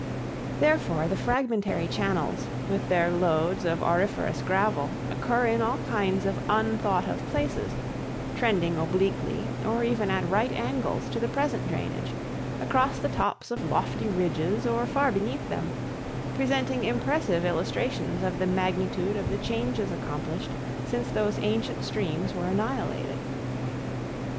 Therefore the fragmentary channels, with their loads of auriferous gravel, occur in all kinds of unthought of places, trending obliquely, or even at right angles to the present drainage, across the tops of lofty ridges or far beneath them, presenting impressive illustrations of the magnitude of the changes accomplished since those ancient streams were annihilated.